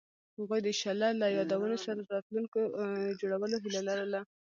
هغوی د شعله له یادونو سره راتلونکی جوړولو هیله لرله.